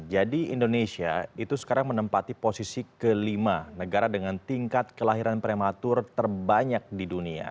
jadi indonesia itu sekarang menempati posisi kelima negara dengan tingkat kelahiran prematur terbanyak di dunia